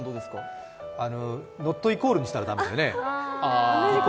ノットイコールにしたら駄目だよね？